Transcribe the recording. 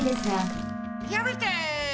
やめて！